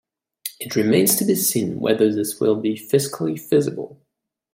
It remains to be seen whether this will be fiscally feasible.